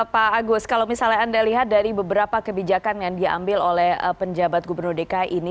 pak agus kalau misalnya anda lihat dari beberapa kebijakan yang diambil oleh penjabat gubernur dki ini